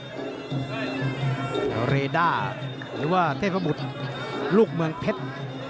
ลูกผู้ทำแต่เทพพบุธเรด้าหรือว่าเทพพบุธลูกเมืองเพชร